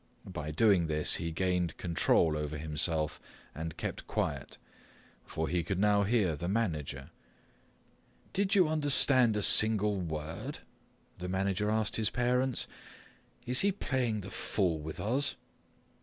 By doing this he gained control over himself and kept quiet, for he could now hear the manager. "Did you understood a single word?" the manager asked the parents, "Is he playing the fool with us?"